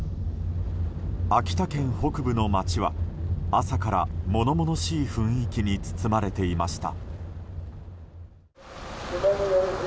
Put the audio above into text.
秋田県北部の町は朝から物々しい雰囲気に包まれていました。